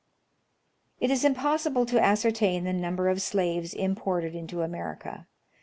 It is impossible to ascertain the number of slaves imported into America.